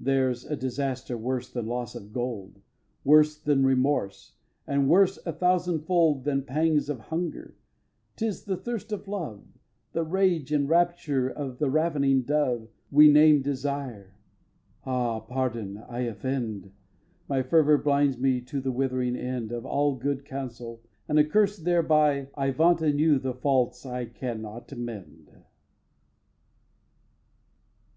xx. There's a disaster worse than loss of gold, Worse than remorse, and worse a thousand fold, Than pangs of hunger. 'Tis the thirst of love, The rage and rapture of the ravening dove We name Desire. Ah, pardon! I offend; My fervor blinds me to the withering end Of all good council, and, accurst thereby, I vaunt anew the faults I cannot mend.